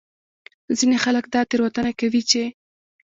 ځینې خلک دا تېروتنه کوي چې